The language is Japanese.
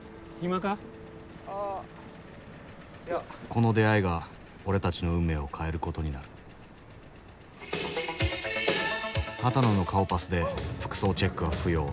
この出会いが俺たちの運命を変えることになる波多野の顔パスで服装チェックは不要。